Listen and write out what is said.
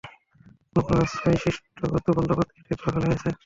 কোনো কোনো রাস্তায় সৃষ্ট গর্ত বন্ধ করতে ইটের খোয়া ফেলা হয়েছে।